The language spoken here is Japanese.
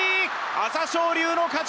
朝青龍の勝ち